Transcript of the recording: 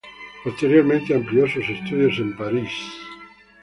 Posteriormente amplió sus estudios en Paris.